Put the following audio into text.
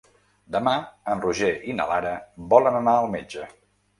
Demà en Roger i na Lara volen anar al metge.